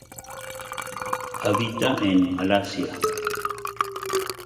Habita en Malasia.